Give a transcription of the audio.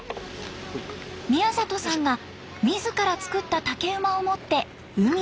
宮里さんが自ら作った竹馬を持って海へ。